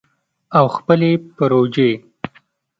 او خپلې پروژې